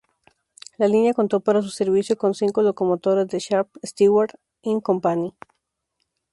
La línea contó para su servicio con cinco locomotoras de Sharp, Stewart and Company.